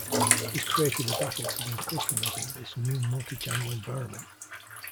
This created a battle to win customers in this new multichannel environment.